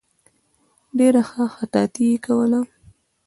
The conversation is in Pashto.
ډېره ښه خطاطي یې کوله.